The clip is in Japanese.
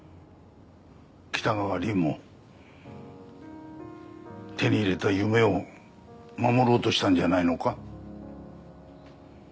北川凛も手に入れた夢を守ろうとしたんじゃないのか。